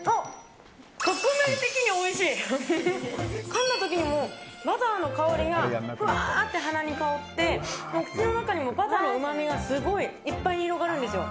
かんだ時にバターの香りがふわーって鼻に香って口の中にもバターのうまみがすごいいっぱいに広がるんですよ。